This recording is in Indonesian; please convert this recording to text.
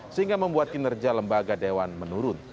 sehingga membuat kinerja lembaga dewan menurun